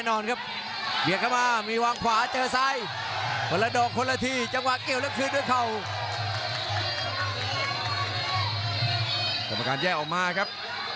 โอ้ยต้องตีครับ